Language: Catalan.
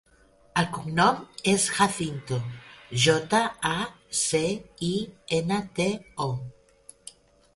El cognom és Jacinto: jota, a, ce, i, ena, te, o.